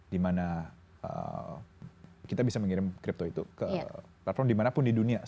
dimana kita bisa mengirim crypto itu ke platform dimanapun di dunia